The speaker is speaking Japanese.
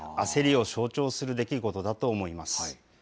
焦りを象徴する出来事だと思います。